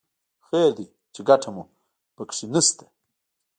خیر دی چې ګټه مو په کې نه شته.